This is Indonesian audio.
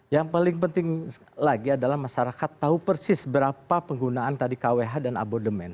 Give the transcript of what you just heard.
yang paling penting lagi adalah masyarakat tahu persis berapa penggunaan tadi kwh dan abodemen